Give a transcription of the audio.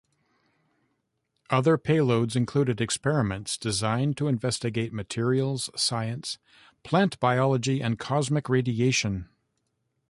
Other payloads included experiments designed to investigate materials science, plant biology and cosmic radiation.